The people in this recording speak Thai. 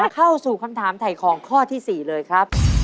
เข้าถึงถามไถของข้อ๔เลยครับ